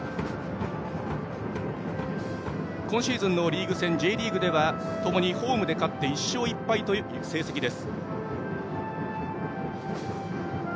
今シーズンのリーグ戦Ｊリーグではともにホームで勝って１勝１敗という成績です。